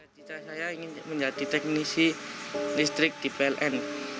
cita saya ingin menjadi teknisi listrik di pln